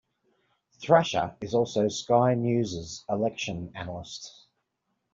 Thrasher is also Sky News' Election Analyst.